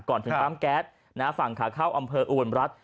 ก่อนถึงปั๊มแก๊สฝั่งขาเข้าอำเภออุบลรัฐ